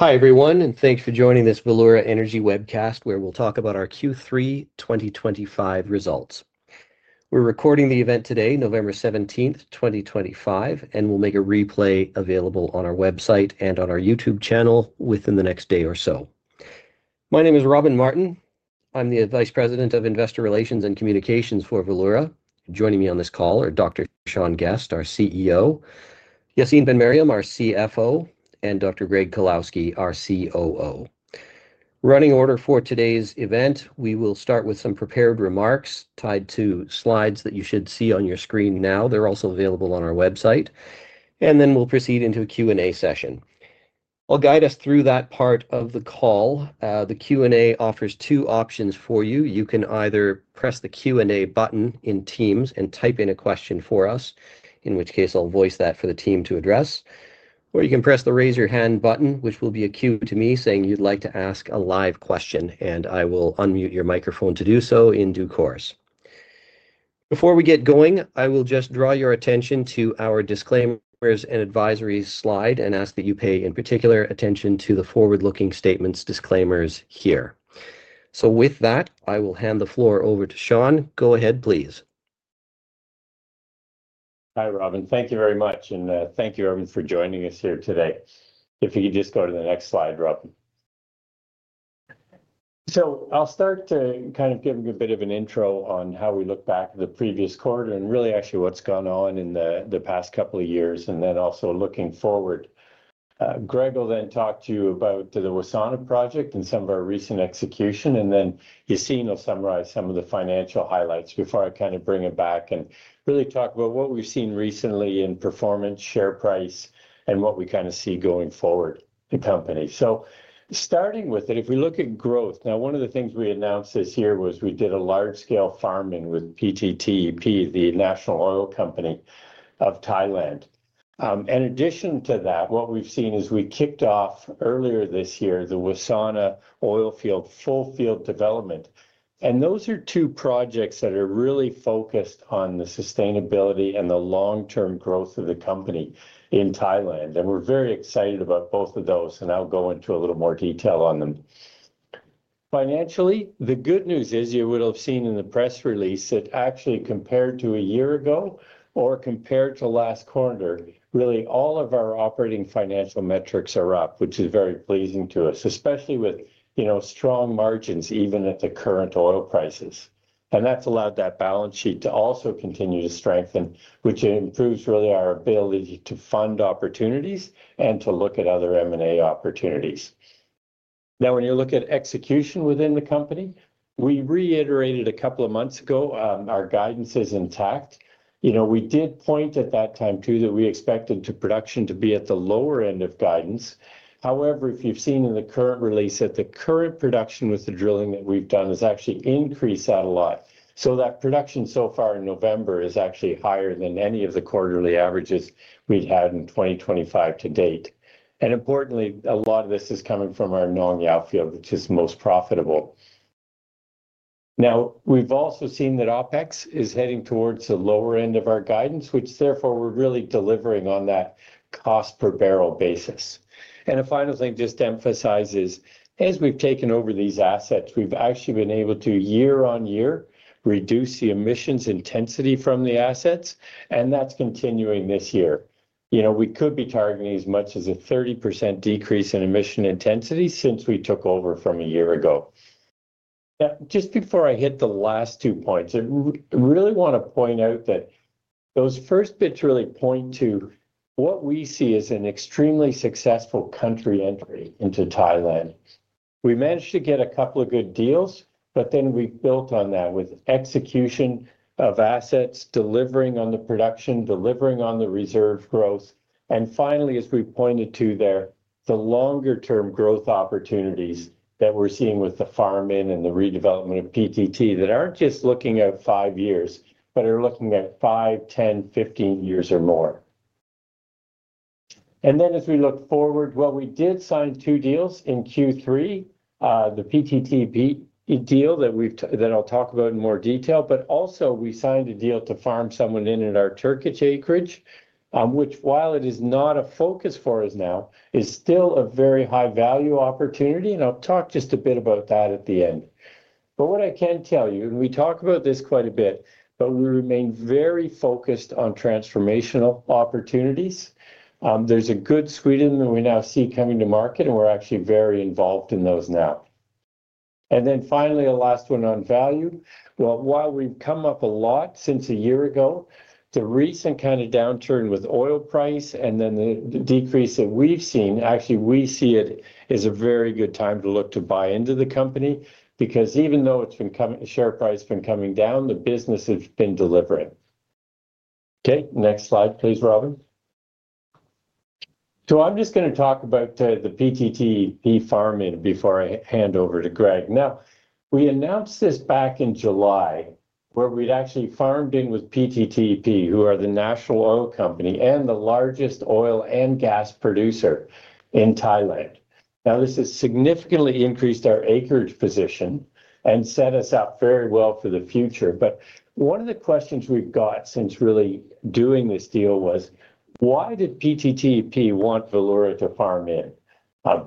Hi everyone, and thanks for joining this Valeura Energy webcast where we'll talk about our Q3 2025 results. We're recording the event today, November 17, 2025, and we'll make a replay available on our website and on our YouTube channel within the next day or so. My name is Robin Martin. I'm the Vice President of Investor Relations and Communications for Valeura. Joining me on this call are Dr. Sean Guest, our CEO, Yacine Ben-Meriem, our CFO, and Dr. Greg Kulawski, our COO. Running order for today's event, we will start with some prepared remarks tied to slides that you should see on your screen now. They're also available on our website. We will proceed into a Q&A session. I'll guide us through that part of the call. The Q&A offers two options for you. You can either press the Q&A button in Teams and type in a question for us, in which case I'll voice that for the team to address. Or you can press the raise your hand button, which will be a cue to me saying you'd like to ask a live question, and I will unmute your microphone to do so in due course. Before we get going, I will just draw your attention to our disclaimers and advisory slide and ask that you pay in particular attention to the forward-looking statements disclaimers here. With that, I will hand the floor over to Sean. Go ahead, please. Hi Robin, thank you very much, and thank you everyone for joining us here today. If you could just go to the next slide, Robin. I'll start to kind of give you a bit of an intro on how we look back at the previous quarter and really actually what's gone on in the past couple of years, and then also looking forward. Greg will then talk to you about the Wassana project and some of our recent execution, and then Yacine will summarize some of the financial highlights before I kind of bring it back and really talk about what we've seen recently in performance, share price, and what we kind of see going forward in the company. Starting with it, if we look at growth, now one of the things we announced this year was we did a large-scale farm-in with PTTEP, the National Oil Company of Thailand. In addition to that, what we've seen is we kicked off earlier this year the Wassana oil field full field development. Those are two projects that are really focused on the sustainability and the long-term growth of the company in Thailand. We are very excited about both of those, and I'll go into a little more detail on them. Financially, the good news is you would have seen in the press release that actually compared to a year ago or compared to last quarter, really all of our operating financial metrics are up, which is very pleasing to us, especially with strong margins even at the current oil prices. That has allowed that balance sheet to also continue to strengthen, which improves really our ability to fund opportunities and to look at other M&A opportunities. Now, when you look at execution within the company, we reiterated a couple of months ago, our guidance is intact. We did point at that time too that we expected production to be at the lower end of guidance. However, if you've seen in the current release that the current production with the drilling that we've done has actually increased that a lot. That production so far in November is actually higher than any of the quarterly averages we've had in 2025 to date. Importantly, a lot of this is coming from our Nong Yao field, which is most profitable. We've also seen that OPEX is heading towards the lower end of our guidance, which therefore we're really delivering on that cost per barrel basis. A final thing just to emphasize is, as we've taken over these assets, we've actually been able to year on year reduce the emissions intensity from the assets, and that's continuing this year. We could be targeting as much as a 30% decrease in emission intensity since we took over from a year ago. Now, just before I hit the last two points, I really want to point out that those first bits really point to what we see as an extremely successful country entry into Thailand. We managed to get a couple of good deals, but then we built on that with execution of assets, delivering on the production, delivering on the reserve growth, and finally, as we pointed to there, the longer-term growth opportunities that we're seeing with the farm-in and the redevelopment of PTT that are not just looking at five years, but are looking at five, 10, 15 years or more. As we look forward, we did sign two deals in Q3, the PTTEP deal that I'll talk about in more detail, but also we signed a deal to farm someone in at our Turkish acreage, which, while it is not a focus for us now, is still a very high-value opportunity, and I'll talk just a bit about that at the end. What I can tell you, and we talk about this quite a bit, is we remain very focused on transformational opportunities. There's a good suite that we now see coming to market, and we're actually very involved in those now. Finally, a last one on value. While we've come up a lot since a year ago, the recent kind of downturn with oil price and then the decrease that we've seen, actually we see it as a very good time to look to buy into the company because even though share price has been coming down, the business has been delivering. Okay, next slide please, Robin. I'm just going to talk about the PTTEP farm-in before I hand over to Greg. We announced this back in July where we'd actually farmed in with PTTEP, who are the National Oil Company and the largest oil and gas producer in Thailand. This has significantly increased our acreage position and set us up very well for the future. One of the questions we've got since really doing this deal was, why did PTTEP want Valeura to farm in?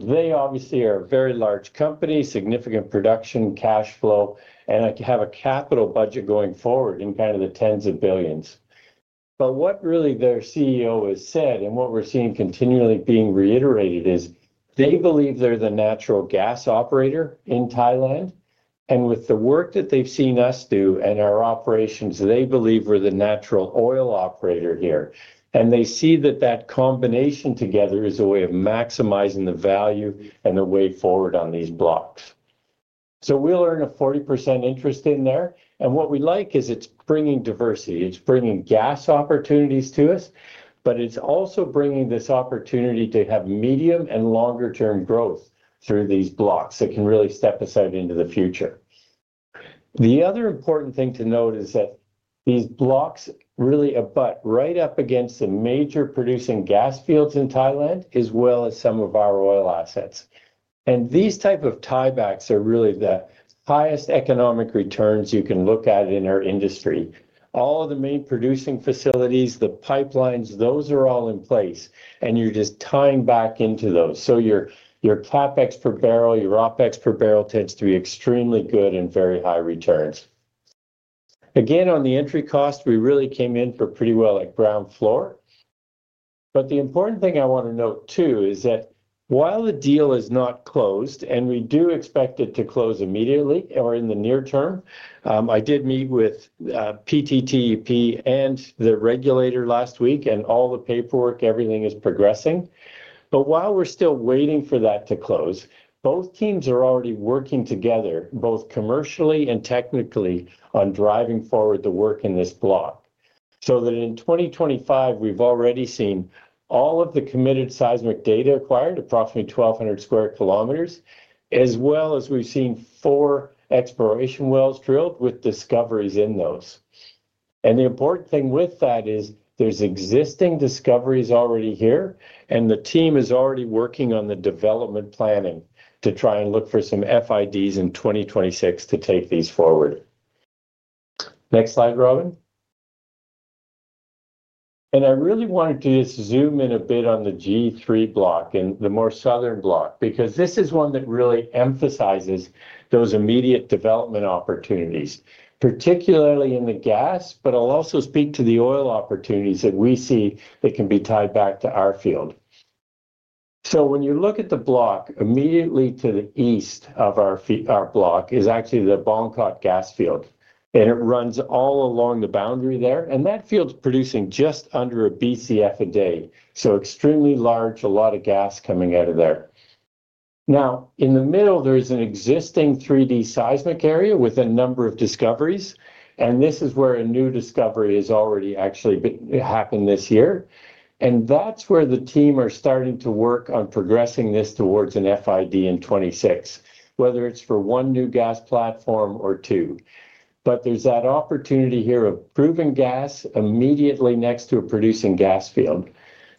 They obviously are a very large company, significant production cash flow, and have a capital budget going forward in kind of the tens of billions. What really their CEO has said and what we're seeing continually being reiterated is they believe they're the natural gas operator in Thailand. With the work that they've seen us do and our operations, they believe we're the natural oil operator here. They see that that combination together is a way of maximizing the value and the way forward on these blocks. We'll earn a 40% interest in there. What we like is it's bringing diversity. It's bringing gas opportunities to us, but it's also bringing this opportunity to have medium and longer-term growth through these blocks that can really step us out into the future. The other important thing to note is that these blocks really abut right up against the major producing gas fields in Thailand, as well as some of our oil assets. These type of tiebacks are really the highest economic returns you can look at in our industry. All of the main producing facilities, the pipelines, those are all in place, and you're just tying back into those. Your CapEx per barrel, your OPEX per barrel tends to be extremely good and very high returns. Again, on the entry cost, we really came in for pretty well at ground floor. The important thing I want to note too is that while the deal is not closed and we do expect it to close immediately or in the near term, I did meet with PTTEP and the regulator last week and all the paperwork, everything is progressing. While we're still waiting for that to close, both teams are already working together, both commercially and technically on driving forward the work in this block. In 2025, we've already seen all of the committed seismic data acquired, approximately 1,200 sq km, as well as we've seen four exploration wells drilled with discoveries in those. The important thing with that is there's existing discoveries already here, and the team is already working on the development planning to try and look for some FIDs in 2026 to take these forward. Next slide, Robin. I really wanted to just zoom in a bit on the G3 block and the more southern block because this is one that really emphasizes those immediate development opportunities, particularly in the gas, but I'll also speak to the oil opportunities that we see that can be tied back to our field. When you look at the block, immediately to the east of our block is actually the Bongkot gas field, and it runs all along the boundary there. That field's producing just under a BCF a day. Extremely large, a lot of gas coming out of there. In the middle, there is an existing 3D seismic area with a number of discoveries, and this is where a new discovery has already actually happened this year. That's where the team are starting to work on progressing this towards an FID in 2026, whether it's for one new gas platform or two. There's that opportunity here of proving gas immediately next to a producing gas field.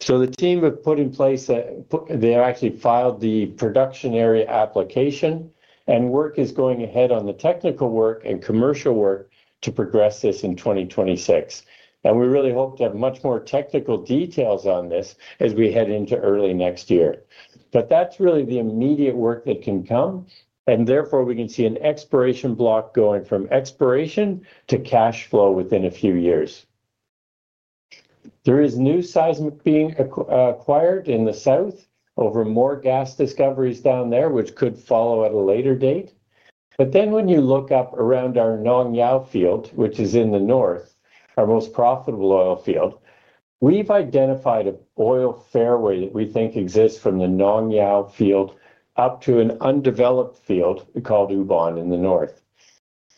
The team have put in place, they've actually filed the production area application, and work is going ahead on the technical work and commercial work to progress this in 2026. We really hope to have much more technical details on this as we head into early next year. That is really the immediate work that can come, and therefore we can see an exploration block going from exploration to cash flow within a few years. There is new seismic being acquired in the south over more gas discoveries down there, which could follow at a later date. When you look up around our Nong Yao field, which is in the north, our most profitable oil field, we have identified an oil fairway that we think exists from the Nong Yao field up to an undeveloped field called Ubon in the north.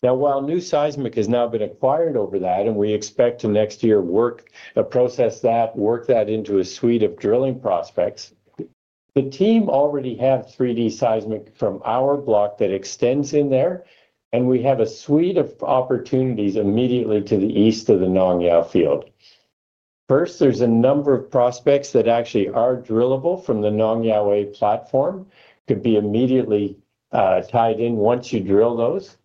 Now, while new seismic has now been acquired over that, and we expect to next year process that, work that into a suite of drilling prospects, the team already have 3D seismic from our block that extends in there, and we have a suite of opportunities immediately to the east of the Nong Yao field. First, there is a number of prospects that actually are drillable from the Nong Yao A platform, could be immediately tied in once you drill those.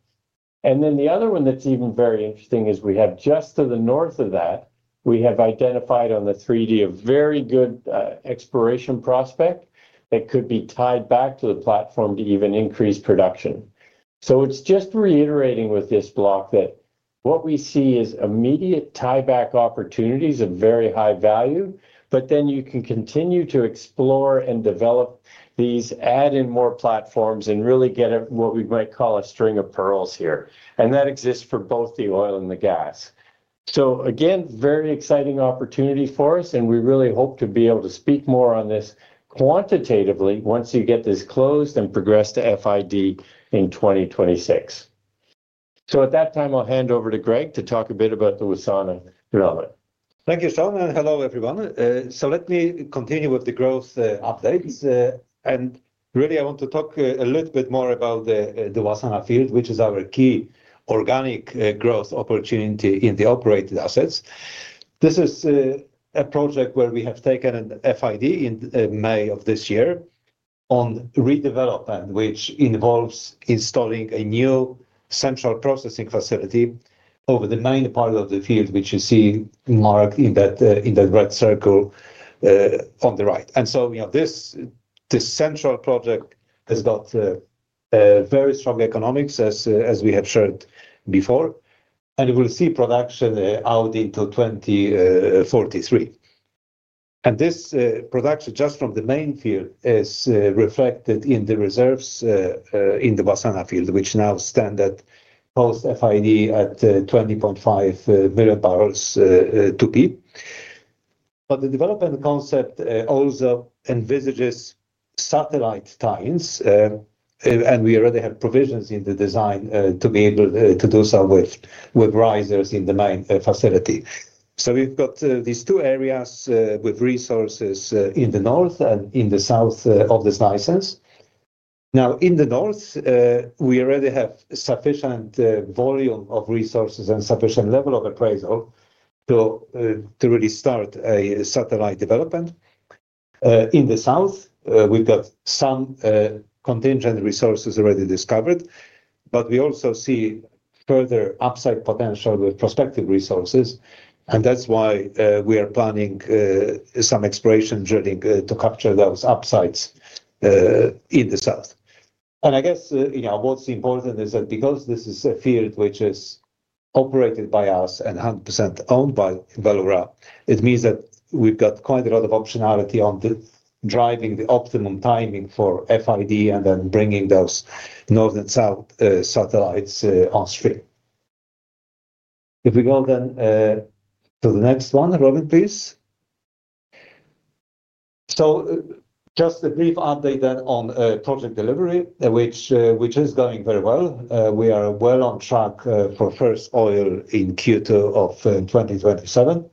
The other one that is even very interesting is we have just to the north of that, we have identified on the 3D a very good exploration prospect that could be tied back to the platform to even increase production. It is just reiterating with this block that what we see is immediate tieback opportunities of very high value, but then you can continue to explore and develop these, add in more platforms, and really get what we might call a string of pearls here. That exists for both the oil and the gas. Again, very exciting opportunity for us, and we really hope to be able to speak more on this quantitatively once you get this closed and progress to FID in 2026. At that time, I'll hand over to Greg to talk a bit about the Wassana development. Thank you, Sean, and hello everyone. Let me continue with the growth updates. I want to talk a little bit more about the Wassana field, which is our key organic growth opportunity in the operated assets. This is a project where we have taken an FID in May of this year on redevelopment, which involves installing a new central processing facility over the main part of the field, which you see marked in that red circle on the right. This central project has got very strong economics, as we have shared before, and we will see production out into 2043. This production just from the main field is reflected in the reserves in the Wassana field, which now stand at post-FID at 20.5 million barrels to be. The development concept also envisages satellite tines, and we already have provisions in the design to be able to do so with risers in the main facility. We have these two areas with resources in the north and in the south of the Slicens. In the north, we already have sufficient volume of resources and sufficient level of appraisal to really start a satellite development. In the south, we have some contingent resources already discovered, but we also see further upside potential with prospective resources, and that is why we are planning some exploration drilling to capture those upsides in the south. I guess what's important is that because this is a field which is operated by us and 100% owned by Valeura, it means that we've got quite a lot of optionality on driving the optimum timing for FID and then bringing those north and south satellites on stream. If we go then to the next one, Robin, please. Just a brief update then on project delivery, which is going very well. We are well on track for first oil in Q2 of 2027.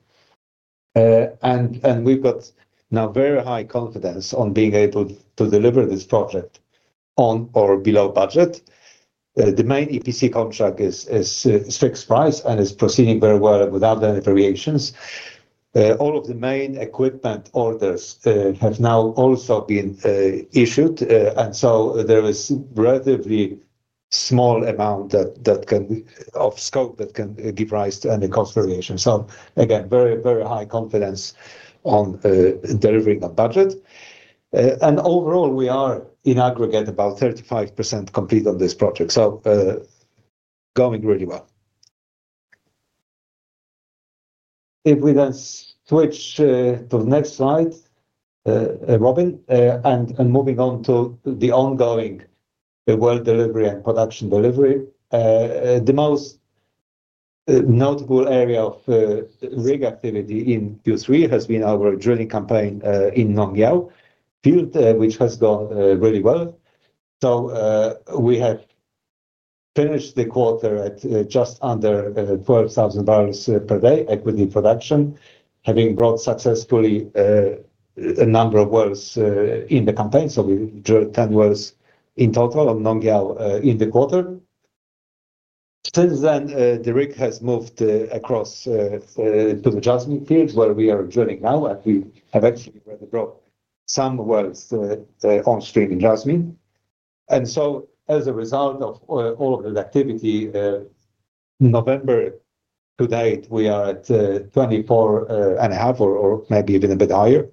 We've got now very high confidence on being able to deliver this project on or below budget. The main EPC contract is fixed price and is proceeding very well without any variations. All of the main equipment orders have now also been issued, and there is a relatively small amount of scope that can give rise to any cost variation. Again, very, very high confidence on delivering on budget. Overall, we are in aggregate about 35% complete on this project. Going really well. If we then switch to the next slide, Robin, and moving on to the ongoing well delivery and production delivery, the most notable area of rig activity in Q3 has been our drilling campaign in Nong Yao field, which has gone really well. We have finished the quarter at just under 12,000 barrels per day equity production, having brought successfully a number of wells in the campaign. We drilled 10 wells in total on Nong Yao in the quarter. Since then, the rig has moved across to the Jasmine field where we are drilling now, and we have actually already brought some wells on stream in Jasmine. As a result of all of that activity, November to date, we are at 24.5 or maybe even a bit higher,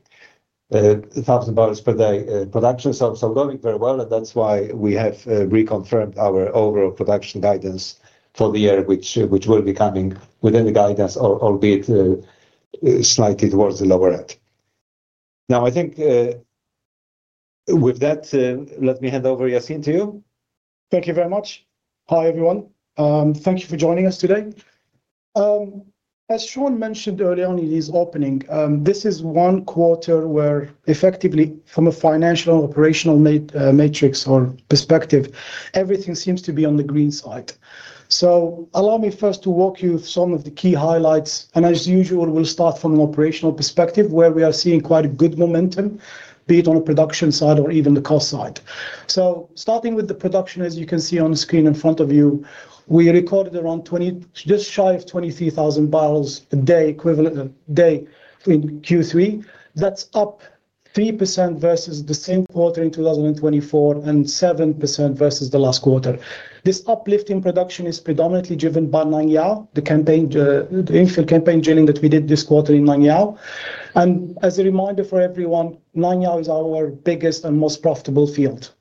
1,000 barrels per day production. Going very well, and that is why we have reconfirmed our overall production guidance for the year, which will be coming within the guidance, albeit slightly towards the lower end. I think with that, let me hand over Yacine to you. Thank you very much. Hi everyone. Thank you for joining us today. As Sean mentioned early on in his opening, this is one quarter where effectively from a financial and operational matrix or perspective, everything seems to be on the green side. Allow me first to walk you through some of the key highlights. As usual, we'll start from an operational perspective where we are seeing quite a good momentum, be it on a production side or even the cost side. Starting with the production, as you can see on the screen in front of you, we recorded around just shy of 23,000 barrels a day equivalent in Q3. That's up 3% versus the same quarter in 2024 and 7% versus the last quarter. This uplift in production is predominantly driven by Nong Yao, the infill campaign drilling that we did this quarter in Nong Yao. As a reminder for everyone, Nong Yao is our biggest and most profitable field.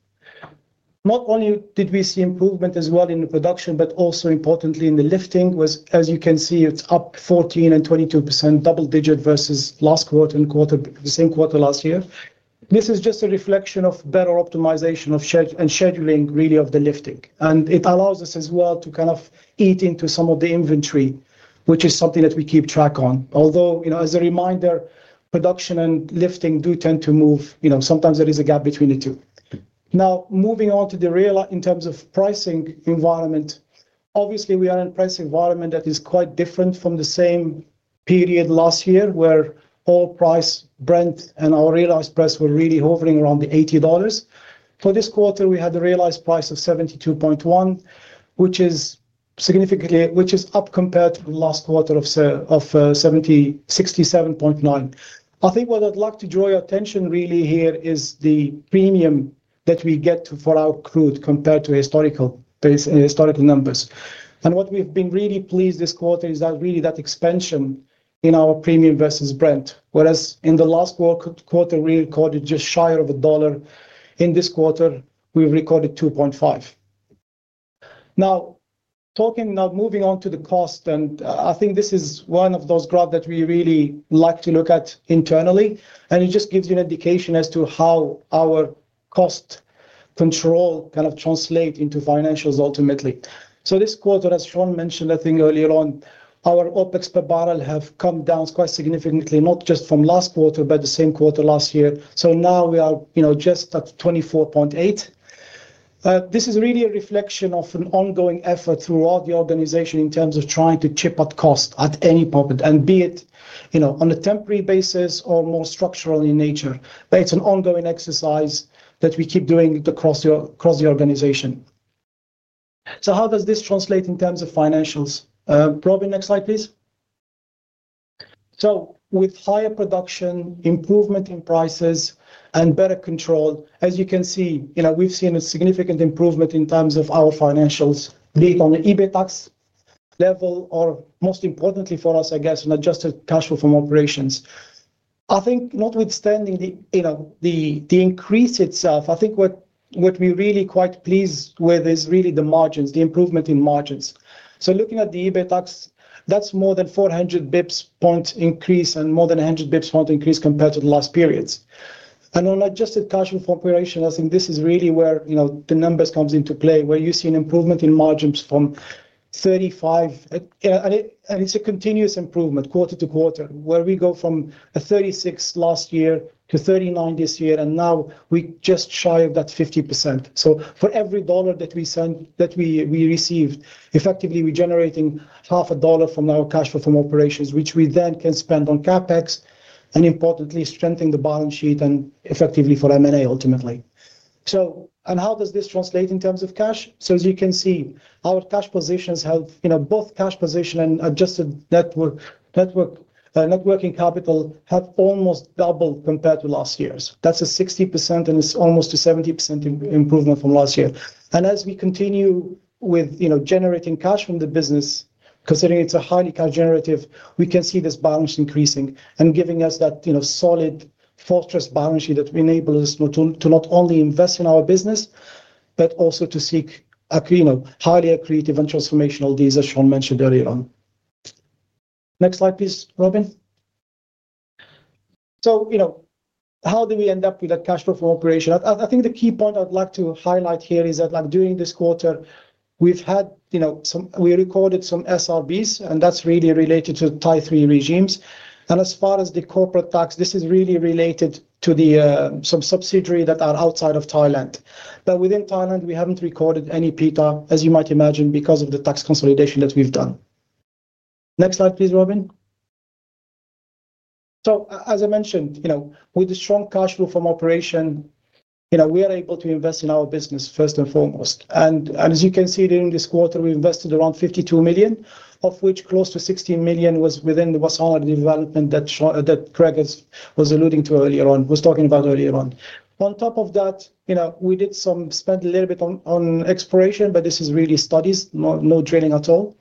Not only did we see improvement as well in the production, but also importantly in the lifting, as you can see, it is up 14% and 22% double digit versus last quarter and the same quarter last year. This is just a reflection of better optimization and scheduling really of the lifting. It allows us as well to kind of eat into some of the inventory, which is something that we keep track on. Although, as a reminder, production and lifting do tend to move, sometimes there is a gap between the two. Now, moving on to the real in terms of pricing environment, obviously we are in a price environment that is quite different from the same period last year where oil price brent and our realized price were really hovering around the $80. For this quarter, we had a realized price of $72.1, which is significantly, which is up compared to the last quarter of $67.9. I think what I'd like to draw your attention really here is the premium that we get for our crude compared to historical numbers. And what we've been really pleased this quarter is that really that expansion in our premium versus brent. Whereas in the last quarter, we recorded just shy of a dollar. In this quarter, we've recorded $2.5. Now, talking now moving on to the cost, and I think this is one of those graphs that we really like to look at internally, and it just gives you an indication as to how our cost control kind of translates into financials ultimately. This quarter, as Sean mentioned, I think earlier on, our OPEX per barrel have come down quite significantly, not just from last quarter, but the same quarter last year. Now we are just at $24.8. This is really a reflection of an ongoing effort throughout the organization in terms of trying to chip at cost at any moment, and be it on a temporary basis or more structural in nature. It is an ongoing exercise that we keep doing across the organization. How does this translate in terms of financials? Robin, next slide please. With higher production, improvement in prices, and better control, as you can see, we've seen a significant improvement in terms of our financials, be it on the EBITDAX level or most importantly for us, I guess, and adjusted cash flow from operations. I think notwithstanding the increase itself, I think what we're really quite pleased with is really the margins, the improvement in margins. Looking at the EBITDAX, that's more than 400 basis points increase and more than 100 basis points increase compared to the last periods. On adjusted cash flow from operations, I think this is really where the numbers come into play, where you see an improvement in margins from 35%, and it's a continuous improvement quarter to quarter, where we go from a 36% last year to 39% this year, and now we are just shy of that 50%. For every dollar that we received, effectively we are generating half a dollar from our cash flow from operations, which we then can spend on CapEx and importantly strengthen the balance sheet and effectively for M&A ultimately. How does this translate in terms of cash? As you can see, our cash position and adjusted net working capital have almost doubled compared to last year's. That is a 60% and it is almost a 70% improvement from last year. As we continue with generating cash from the business, considering it is highly cash generative, we can see this balance increasing and giving us that solid fortress balance sheet that enables us to not only invest in our business, but also to seek highly accretive and transformational deals, as Sean mentioned earlier on. Next slide please, Robin. How do we end up with that cash flow from operation? I think the key point I'd like to highlight here is that during this quarter, we recorded some SRBs, and that's really related to tier-three regimes. As far as the corporate tax, this is really related to some subsidiaries that are outside of Thailand. Within Thailand, we haven't recorded any PITA, as you might imagine, because of the tax consolidation that we've done. Next slide please, Robin. As I mentioned, with the strong cash flow from operation, we are able to invest in our business first and foremost. As you can see, during this quarter, we invested around $52 million, of which close to $16 million was within the Wassana development that Greg was alluding to earlier on, was talking about earlier on. On top of that, we did spend a little bit on exploration, but this is really studies, no drilling at all.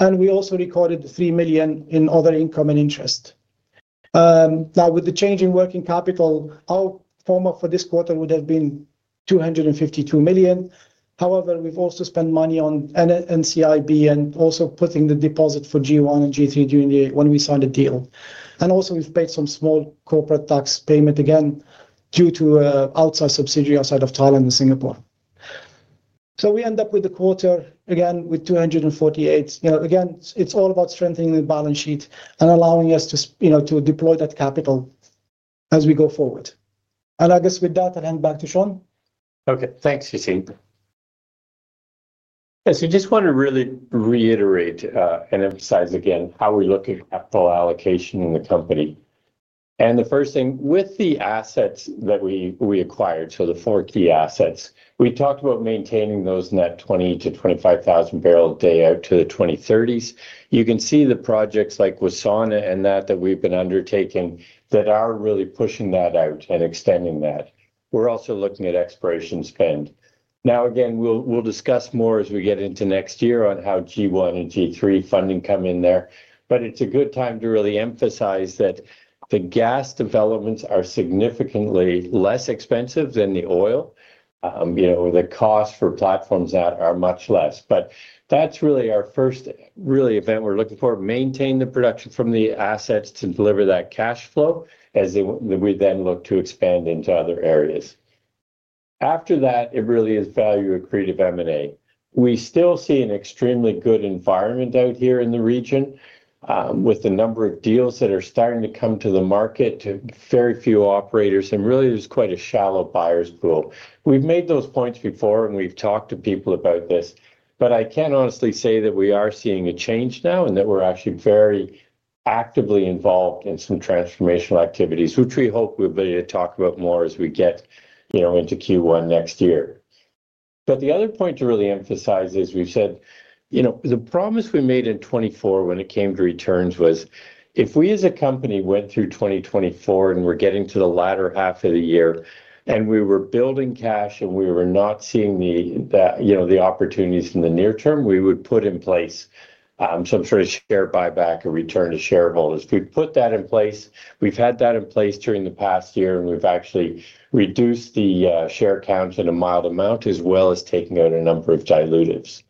We also recorded $3 million in other income and interest. Now, with the changing working capital, our format for this quarter would have been $252 million. However, we've also spent money on NCIB and also putting the deposit for G1 and G3 during the year when we signed the deal. We have paid some small corporate tax payment again due to outside subsidiary outside of Thailand and Singapore. We end up with the quarter again with $248 million. Again, it's all about strengthening the balance sheet and allowing us to deploy that capital as we go forward. I guess with that, I'll hand back to Sean. Okay, thanks, Yacine. I just want to really reiterate and emphasize again how we look at capital allocation in the company. The first thing with the assets that we acquired, the four key assets, we talked about maintaining those net 20-25,000 barrel a day out to the 2030s. You can see the projects like Wassana and that that we have been undertaking that are really pushing that out and extending that. We are also looking at exploration spend. Now, again, we will discuss more as we get into next year on how G1 and G3 funding come in there. It is a good time to really emphasize that the gas developments are significantly less expensive than the oil or the cost for platforms that are much less. That is really our first real event we are looking for, maintain the production from the assets to deliver that cash flow as we then look to expand into other areas. After that, it really is value accretive M&A. We still see an extremely good environment out here in the region with the number of deals that are starting to come to the market to very few operators, and really there is quite a shallow buyers pool. We have made those points before and we have talked to people about this, but I can honestly say that we are seeing a change now and that we are actually very actively involved in some transformational activities, which we hope we will be able to talk about more as we get into Q1 next year. The other point to really emphasize is we've said the promise we made in 2024 when it came to returns was if we as a company went through 2024 and we're getting to the latter half of the year and we were building cash and we were not seeing the opportunities in the near term, we would put in place some sort of share buyback or return to shareholders. We've put that in place. We've had that in place during the past year and we've actually reduced the share counts in a mild amount as well as taking out a number of dilutives.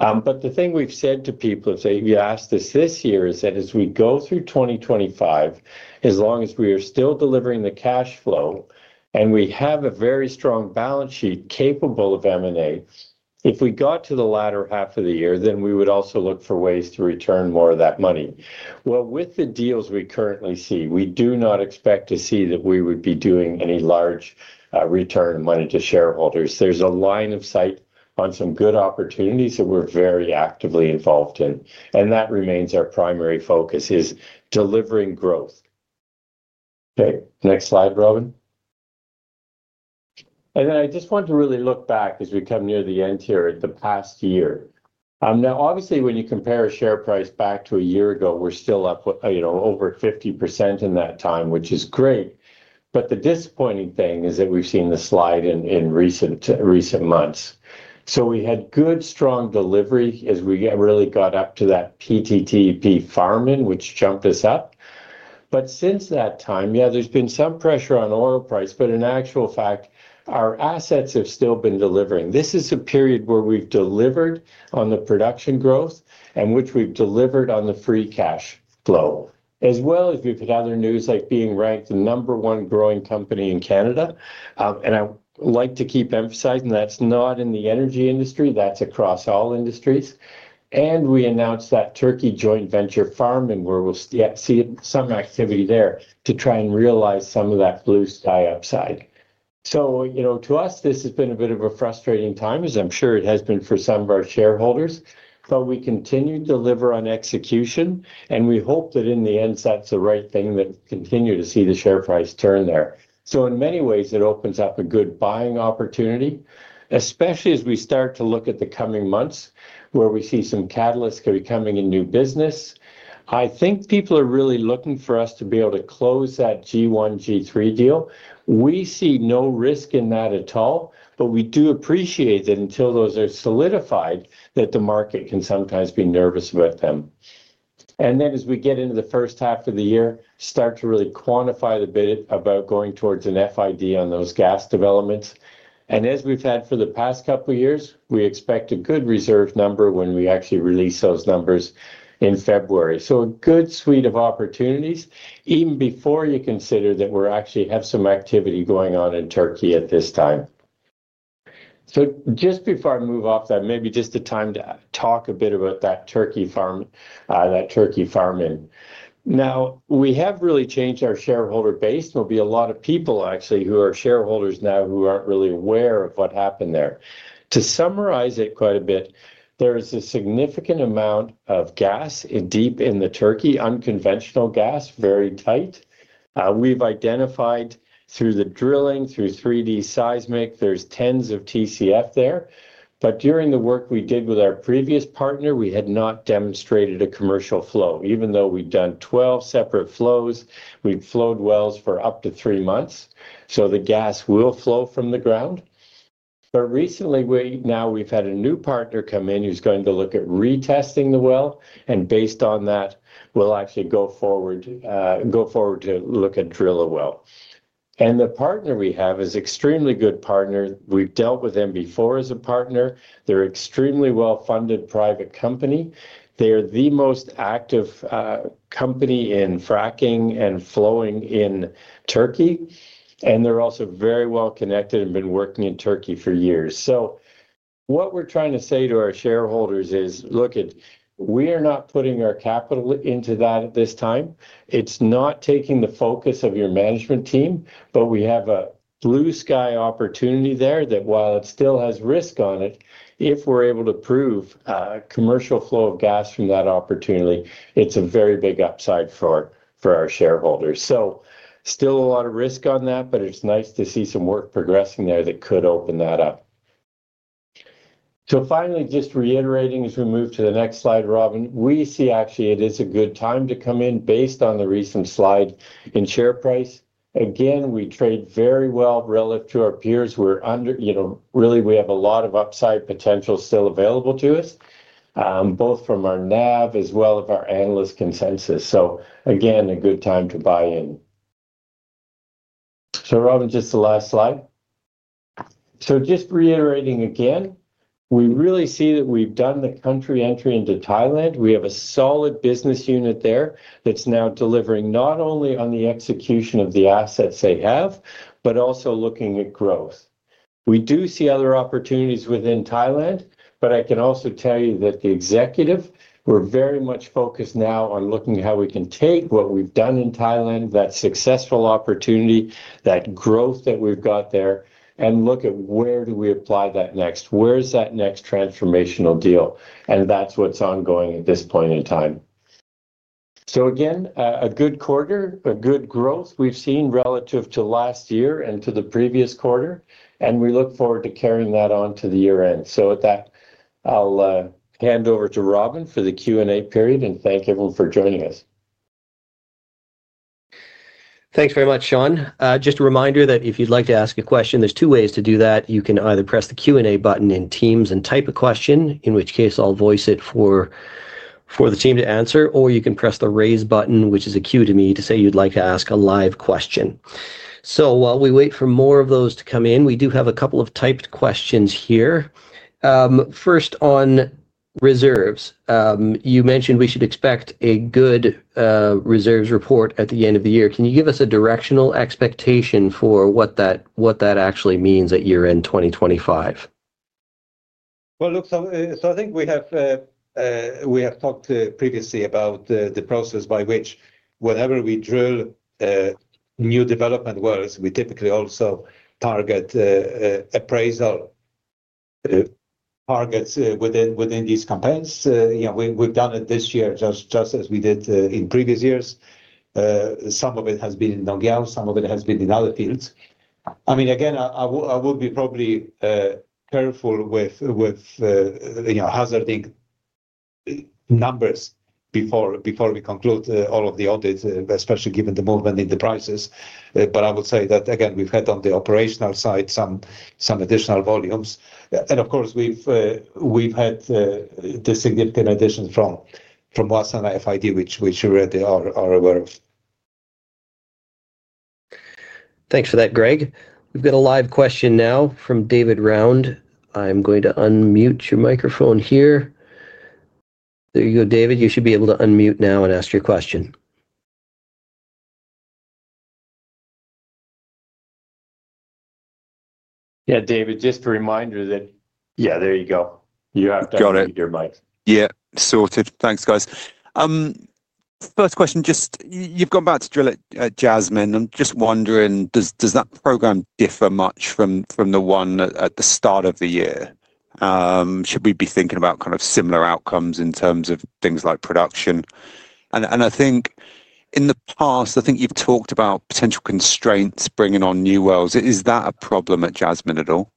The thing we've said to people, if you asked us this year, is that as we go through 2025, as long as we are still delivering the cash flow and we have a very strong balance sheet capable of M&A, if we got to the latter half of the year, we would also look for ways to return more of that money. With the deals we currently see, we do not expect to see that we would be doing any large return of money to shareholders. There is a line of sight on some good opportunities that we are very actively involved in. That remains our primary focus, delivering growth. Next slide, Robin. I just want to really look back as we come near the end here at the past year. Now, obviously, when you compare a share price back to a year ago, we're still up over 50% in that time, which is great. The disappointing thing is that we've seen the slide in recent months. We had good strong delivery as we really got up to that PTTEP farm-in, which jumped us up. Since that time, yeah, there's been some pressure on oil price, but in actual fact, our assets have still been delivering. This is a period where we've delivered on the production growth and we've delivered on the free cash flow, as well as we've had other news like being ranked the number one growing company in Canada. I like to keep emphasizing that's not in the energy industry, that's across all industries. We announced that Turkey Joint Venture Farm and we'll see some activity there to try and realize some of that blue sky upside. To us, this has been a bit of a frustrating time, as I'm sure it has been for some of our shareholders, but we continue to deliver on execution and we hope that in the end, that's the right thing that we continue to see the share price turn there. In many ways, it opens up a good buying opportunity, especially as we start to look at the coming months where we see some catalysts becoming in new business. I think people are really looking for us to be able to close that G1, G3 deal. We see no risk in that at all, but we do appreciate that until those are solidified, the market can sometimes be nervous about them. As we get into the first half of the year, start to really quantify the bit about going towards an FID on those gas developments. As we have had for the past couple of years, we expect a good reserve number when we actually release those numbers in February. A good suite of opportunities even before you consider that we actually have some activity going on in Turkey at this time. Just before I move off that, maybe just a time to talk a bit about that Turkey Farm. Now, we have really changed our shareholder base. There will be a lot of people actually who are shareholders now who are not really aware of what happened there. To summarize it quite a bit, there is a significant amount of gas deep in Turkey, unconventional gas, very tight. We've identified through the drilling, through 3D seismic, there's tens of TCF there. During the work we did with our previous partner, we had not demonstrated a commercial flow. Even though we've done 12 separate flows, we've flowed wells for up to three months. The gas will flow from the ground. Recently, now we've had a new partner come in who's going to look at retesting the well. Based on that, we'll actually go forward to look at drill a well. The partner we have is an extremely good partner. We've dealt with them before as a partner. They're an extremely well-funded private company. They are the most active company in fracking and flowing in Turkey. They're also very well connected and have been working in Turkey for years. What we're trying to say to our shareholders is, look, we are not putting our capital into that at this time. It's not taking the focus of your management team, but we have a blue sky opportunity there that while it still has risk on it, if we're able to prove a commercial flow of gas from that opportunity, it's a very big upside for our shareholders. Still a lot of risk on that, but it's nice to see some work progressing there that could open that up. Finally, just reiterating as we move to the next slide, Robin, we see actually it is a good time to come in based on the recent slide in share price. Again, we trade very well relative to our peers. Really, we have a lot of upside potential still available to us, both from our NAV as well as our analyst consensus. Again, a good time to buy in. Robin, just the last slide. Just reiterating again, we really see that we've done the country entry into Thailand. We have a solid business unit there that's now delivering not only on the execution of the assets they have, but also looking at growth. We do see other opportunities within Thailand, but I can also tell you that the executive were very much focused now on looking at how we can take what we've done in Thailand, that successful opportunity, that growth that we've got there, and look at where do we apply that next. Where's that next transformational deal? That's what's ongoing at this point in time. Again, a good quarter, a good growth we've seen relative to last year and to the previous quarter. We look forward to carrying that on to the year end. With that, I'll hand over to Robin for the Q&A period and thank everyone for joining us. Thanks very much, Sean. Just a reminder that if you'd like to ask a question, there are two ways to do that. You can either press the Q&A button in Teams and type a question, in which case I'll voice it for the team to answer, or you can press the raise button, which is a cue to me to say you'd like to ask a live question. While we wait for more of those to come in, we do have a couple of typed questions here. First, on reserves, you mentioned we should expect a good reserves report at the end of the year. Can you give us a directional expectation for what that actually means at year end 2025? Look, I think we have talked previously about the process by which whenever we drill new development wells, we typically also target appraisal targets within these companies. We've done it this year just as we did in previous years. Some of it has been in Nong Yao, some of it has been in other fields. I mean, again, I would be probably careful with hazarding numbers before we conclude all of the audits, especially given the movement in the prices. I would say that, again, we've had on the operational side some additional volumes. Of course, we've had the significant additions from Wassana FID, which you already are aware of. Thanks for that, Greg. We've got a live question now from David Round. I'm going to unmute your microphone here. There you go, David. You should be able to unmute now and ask your question. Yeah, David, just a reminder that. Yeah, there you go. You have to unmute your mic. Yeah, sorted. Thanks, guys. First question, just you've gone back to drill at Jasmine. I'm just wondering, does that program differ much from the one at the start of the year? Should we be thinking about kind of similar outcomes in terms of things like production? I think in the past, I think you've talked about potential constraints bringing on new wells. Is that a problem at Jasmine at all?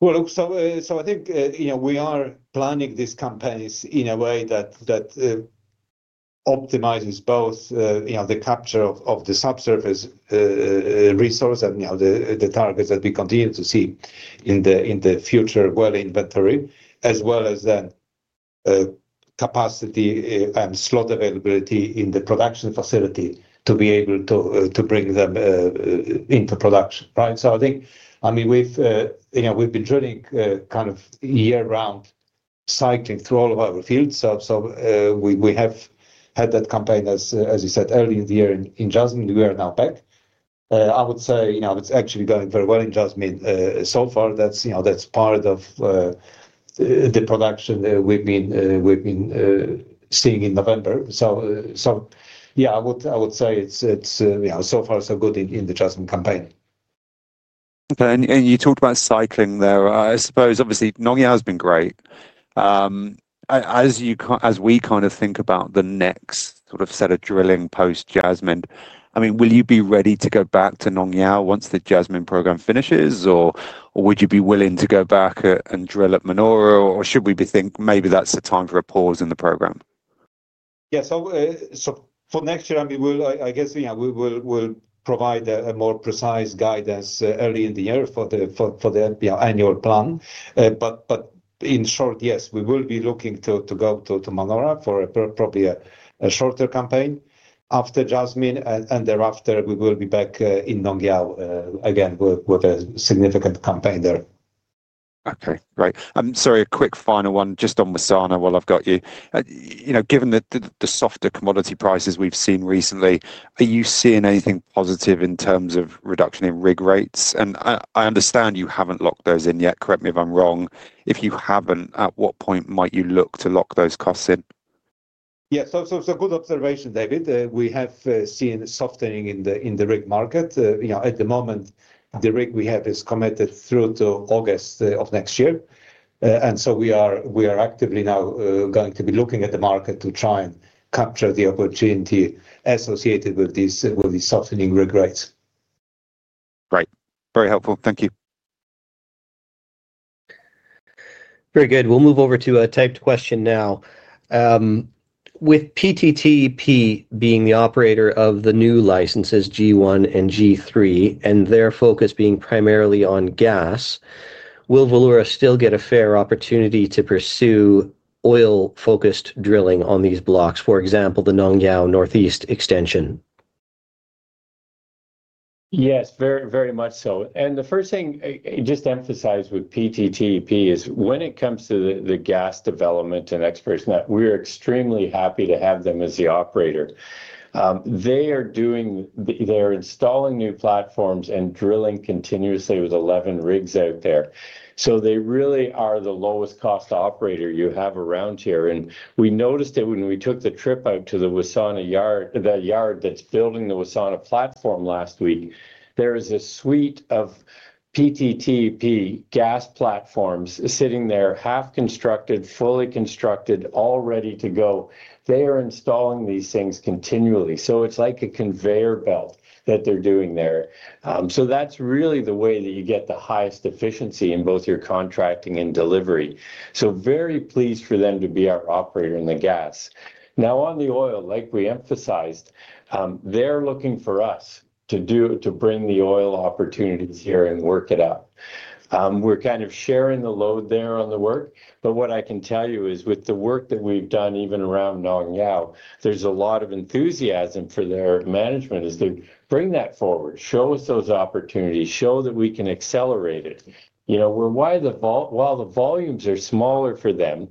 I think we are planning these companies in a way that optimizes both the capture of the subsurface resource and the targets that we continue to see in the future well inventory, as well as the capacity and slot availability in the production facility to be able to bring them into production. Right? I think, I mean, we've been drilling kind of year-round cycling through all of our fields. We have had that campaign, as you said, early in the year in Jasmine. We are now back. I would say it's actually going very well in Jasmine so far. That's part of the production we've been seeing in November. Yeah, I would say it's so far so good in the Jasmine campaign. Okay. You talked about cycling there. I suppose, obviously, Nong Yao has been great. As we kind of think about the next sort of set of drilling post-Jasmine, I mean, will you be ready to go back to Nong Yao once the Jasmine program finishes, or would you be willing to go back and drill at Manora, or should we be thinking maybe that's the time for a pause in the program? Yeah. For next year, I mean, I guess we will provide a more precise guidance early in the year for the annual plan. In short, yes, we will be looking to go to Manora for probably a shorter campaign after Jasmine, and thereafter, we will be back in Nong Yao again with a significant campaign there. Okay. Great. I'm sorry, a quick final one just on Wassana while I've got you. Given the softer commodity prices we've seen recently, are you seeing anything positive in terms of reduction in rig rates? I understand you haven't locked those in yet. Correct me if I'm wrong. If you haven't, at what point might you look to lock those costs in? Yeah. It is a good observation, David. We have seen softening in the rig market. At the moment, the rig we have is committed through to August of next year. We are actively now going to be looking at the market to try and capture the opportunity associated with these softening rig rates. Great. Very helpful. Thank you. Very good. We'll move over to a typed question now. With PTTEP being the operator of the new licenses, G1 and G3, and their focus being primarily on gas, will Valeura still get a fair opportunity to pursue oil-focused drilling on these blocks, for example, the Nong Yao Northeast extension? Yes, very much so. The first thing I just emphasize with PTTEP is when it comes to the gas development and expertise, we're extremely happy to have them as the operator. They are installing new platforms and drilling continuously with 11 rigs out there. They really are the lowest-cost operator you have around here. We noticed it when we took the trip out to the Wassana yard, the yard that's building the Wassana platform last week. There is a suite of PTTEP gas platforms sitting there, half-constructed, fully constructed, all ready to go. They are installing these things continually. It's like a conveyor belt that they're doing there. That's really the way that you get the highest efficiency in both your contracting and delivery. Very pleased for them to be our operator in the gas. Now, on the oil, like we emphasized, they're looking for us to bring the oil opportunities here and work it out. We're kind of sharing the load there on the work. What I can tell you is with the work that we've done even around Nong Yao, there's a lot of enthusiasm for their management as they bring that forward, show us those opportunities, show that we can accelerate it. While the volumes are smaller for them,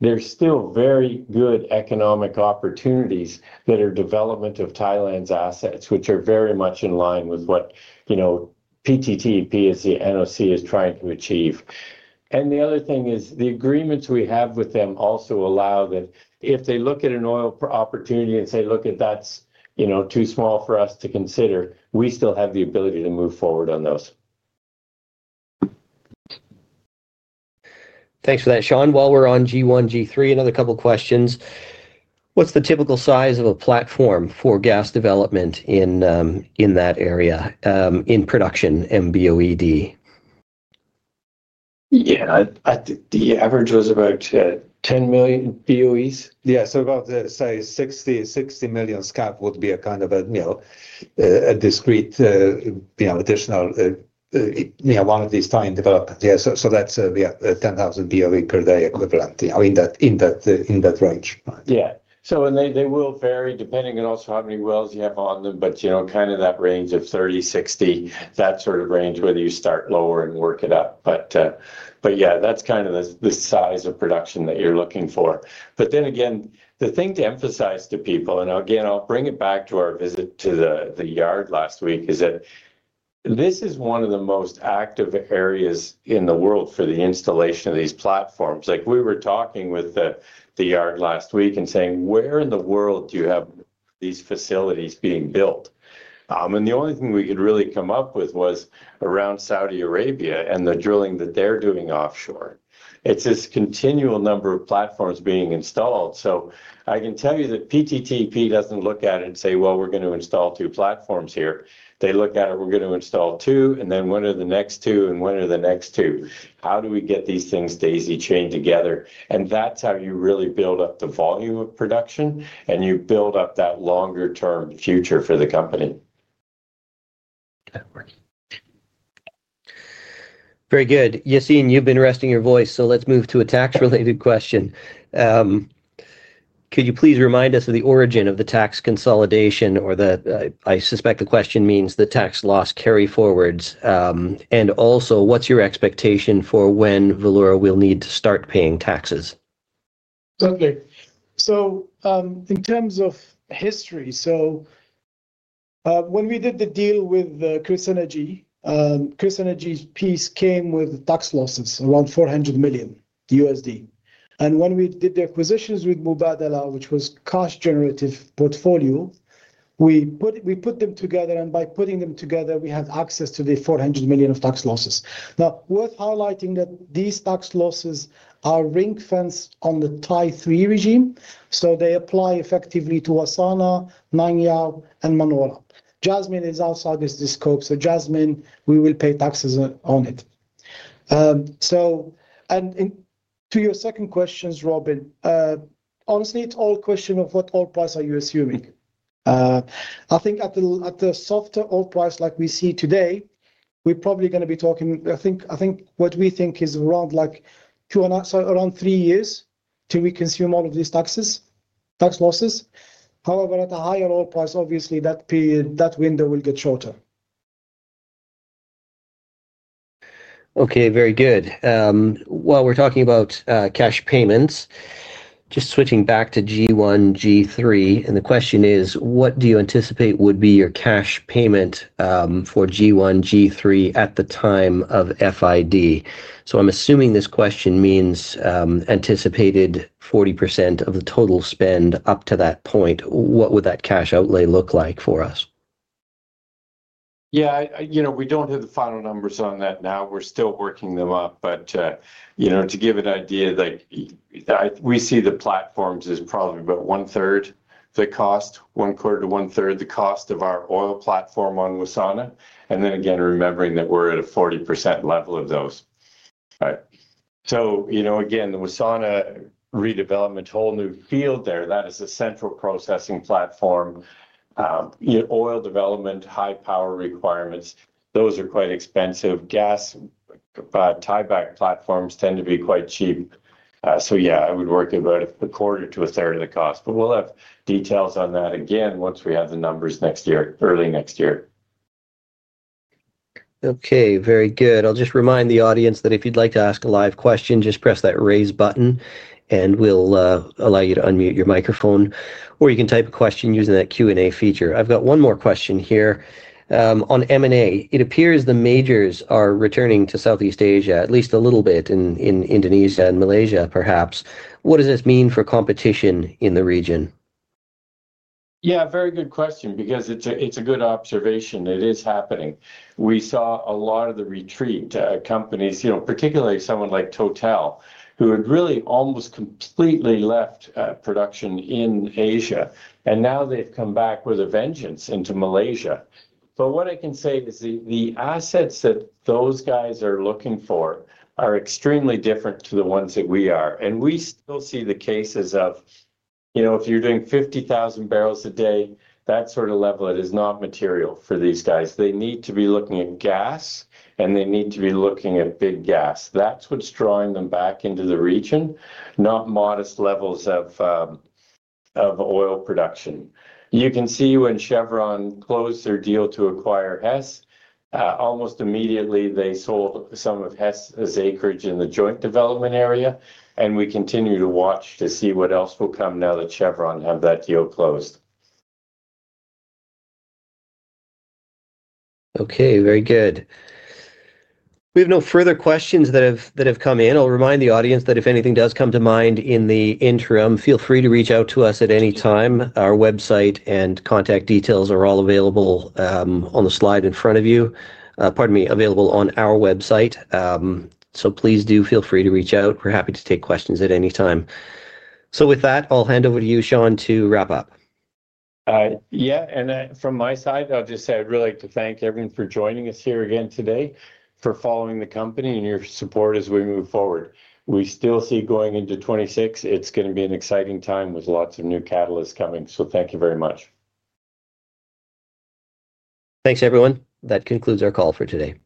there's still very good economic opportunities that are development of Thailand's assets, which are very much in line with what PTTEP, as the NOC, is trying to achieve. The other thing is the agreements we have with them also allow that if they look at an oil opportunity and say, "Look, that's too small for us to consider," we still have the ability to move forward on those. Thanks for that, Sean. While we're on G1, G3, another couple of questions. What's the typical size of a platform for gas development in that area in production, MBOED? Yeah. The average was about 10 million BOE. Yeah. So about the size, 60 million, would be a kind of a discrete additional one of these Thai developers. Yeah. So that's a 10,000 BOE per day equivalent in that range. Yeah. They will vary depending on also how many wells you have on them, but kind of that range of 30-60, that sort of range where you start lower and work it up. Yeah, that's kind of the size of production that you're looking for. The thing to emphasize to people, and again, I'll bring it back to our visit to the yard last week, is that this is one of the most active areas in the world for the installation of these platforms. We were talking with the yard last week and saying, "Where in the world do you have these facilities being built?" The only thing we could really come up with was around Saudi Arabia and the drilling that they're doing offshore. It's this continual number of platforms being installed. I can tell you that PTTEP does not look at it and say, "Well, we're going to install two platforms here." They look at it, "We're going to install two, and then when are the next two, and when are the next two? How do we get these things to easily chain together?" That is how you really build up the volume of production, and you build up that longer-term future for the company. Very good. Yacine, you've been resting your voice, so let's move to a tax-related question. Could you please remind us of the origin of the tax consolidation, or I suspect the question means the tax loss carry forwards? Also, what's your expectation for when Valeura will need to start paying taxes? Certainly. In terms of history, when we did the deal with KrisEnergy, KrisEnergy's piece came with tax losses around $400 million. When we did the acquisitions with Mubadala, which was a cost-generative portfolio, we put them together, and by putting them together, we have access to the $400 million of tax losses. Now, worth highlighting that these tax losses are ring-fenced on the Thai 3 regime. They apply effectively to Wassana, Nong Yao, and Manora. Jasmine is outside this scope. Jasmine, we will pay taxes on it. To your second question, Robin, honestly, it is all a question of what oil price you are assuming. I think at the softer oil price like we see today, we are probably going to be talking, I think what we think is around three years till we consume all of these tax losses. However, at a higher oil price, obviously, that window will get shorter. Okay. Very good. While we're talking about cash payments, just switching back to G1, G3, and the question is, what do you anticipate would be your cash payment for G1, G3 at the time of FID? I'm assuming this question means anticipated 40% of the total spend up to that point. What would that cash outlay look like for us? Yeah. We do not have the final numbers on that now. We are still working them up. To give an idea, we see the platforms as probably about one-third the cost, one-quarter to one-third the cost of our oil platform on Wassana, and then again, remembering that we are at a 40% level of those. Right? Again, the Wassana redevelopment, whole new field there, that is a central processing platform. Oil development, high power requirements, those are quite expensive. Gas tieback platforms tend to be quite cheap. Yeah, I would work about a quarter to a third of the cost. We will have details on that again once we have the numbers early next year. Okay. Very good. I'll just remind the audience that if you'd like to ask a live question, just press that raise button, and we'll allow you to unmute your microphone. Or you can type a question using that Q&A feature. I've got one more question here. On M&A, it appears the majors are returning to Southeast Asia, at least a little bit in Indonesia and Malaysia, perhaps. What does this mean for competition in the region? Yeah. Very good question because it's a good observation. It is happening. We saw a lot of the retreat companies, particularly someone like TotalEnergies, who had really almost completely left production in Asia. Now they've come back with a vengeance into Malaysia. What I can say is the assets that those guys are looking for are extremely different to the ones that we are. We still see the cases of if you're doing 50,000 barrels a day, that sort of level, it is not material for these guys. They need to be looking at gas, and they need to be looking at big gas. That's what's drawing them back into the region, not modest levels of oil production. You can see when Chevron closed their deal to acquire Hess, almost immediately, they sold some of Hess's acreage in the joint development area. We continue to watch to see what else will come now that Chevron has that deal closed. Okay. Very good. We have no further questions that have come in. I'll remind the audience that if anything does come to mind in the interim, feel free to reach out to us at any time. Our website and contact details are all available on the slide in front of you, pardon me, available on our website. Please do feel free to reach out. We're happy to take questions at any time. With that, I'll hand over to you, Sean, to wrap up. Yeah. From my side, I'll just say I'd really like to thank everyone for joining us here again today, for following the company and your support as we move forward. We still see going into 2026, it's going to be an exciting time with lots of new catalysts coming. Thank you very much. Thanks, everyone. That concludes our call for today.